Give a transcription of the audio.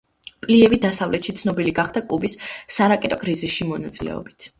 პლიევი დასავლეთში ცნობილი გახდა კუბის სარაკეტო კრიზისში მონაწილებით.